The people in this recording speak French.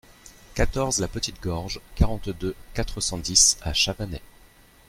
quatorze la Petite Gorge, quarante-deux, quatre cent dix à Chavanay